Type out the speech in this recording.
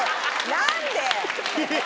何で？